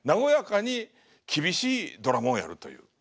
和やかに厳しいドラマをやるという。